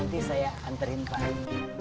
nanti saya anterin pak rijal